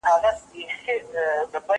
کتابونه وړه!!